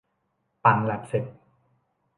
ปั่นแล็บเสร็จ